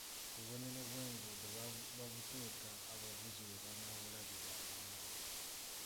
Obubonero bw'enguudo babuteeka abavuzi we banaabulabira amangu.